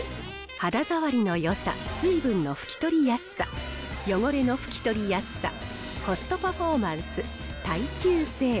肌触りのよさ、水分の拭き取りやすさ、汚れの拭き取りやすさ、コストパフォーマンス、耐久性。